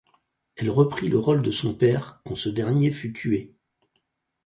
Elle reprit le rôle de son père quand ce dernier fut tué.